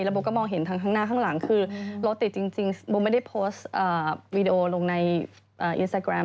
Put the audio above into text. โบก็มองเห็นทางข้างหน้าข้างหลังคือรถติดจริงโบไม่ได้โพสต์วีดีโอลงในอินสตาแกรม